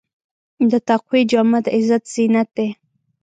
د تقوی جامه د عزت زینت دی.